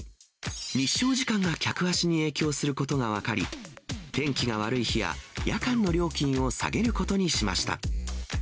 日照時間が客足に影響することが分かり、天気が悪い日や夜間の料金を下げることにしました。